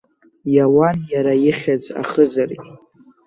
Иауан иара ихьӡ ахызаргь.